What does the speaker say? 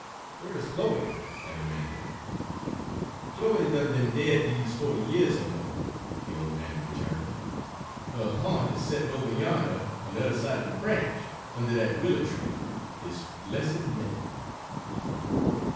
"Where is Chloe?" I demanded. "Chloe's done be'n dead dese fo'ty years er mo'," the old man returned. "Her ha'nt is settin' ober yander on de udder side er de branch, unner dat willer tree, dis blessed minute."